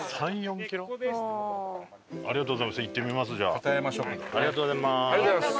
ありがとうございます。